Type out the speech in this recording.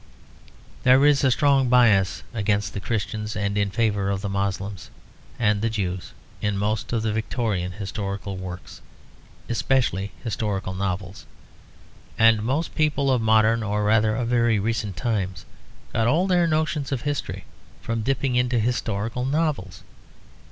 There is a strong bias against the Christians and in favour of the Moslems and the Jews in most of the Victorian historical works, especially historical novels. And most people of modern, or rather of very recent times got all their notions of history from dipping into historical novels.